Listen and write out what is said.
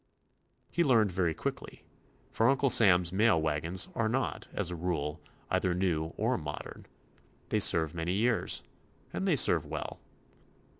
He learned very quickly, for Uncle Sam's mail wagons are not, as a rule, either new or modern; they serve many years, and they serve well.